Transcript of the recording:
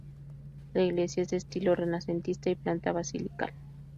La iglesia es de estilo renacentista y planta basilical.